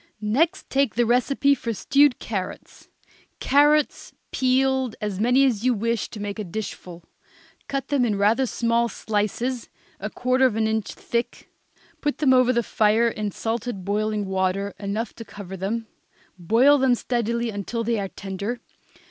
Next take the recipe for stewed carrots. Carrots, peeled, as many as you wish to make a dishful; cut them in rather small slices, a quarter of an inch thick, put them over the fire in salted boiling water enough to cover them; boil them steadily until they are tender.